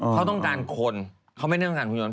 เขาต้องการคนเขาไม่ได้ต้องการหุยต